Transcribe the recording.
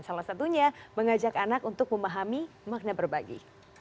salah satunya mengajak anak untuk memahami makna berbagi